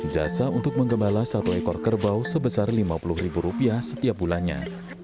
jasa untuk menggembala satu ekor kerbau sebesar lima puluh ribu rupiah setiap bulannya